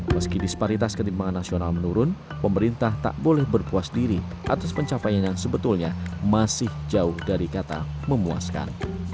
meski disparitas ketimpangan nasional menurun pemerintah tak boleh berpuas diri atas pencapaian yang sebetulnya masih jauh dari kata memuaskan